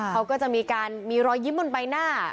เขาก็จะมีการมีรอยยิ้มบนใบหน้า